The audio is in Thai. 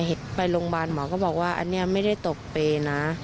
ไปโรงพยาบาลหมอก็บอกว่าอันนี้ไม่ได้ตกเปรย์นะ